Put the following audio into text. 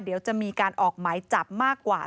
เดี๋ยวจะมีการออกหมายจับมากกว่า